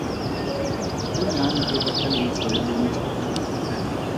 O ne a nteba ka leitlho le le ntšhotšho.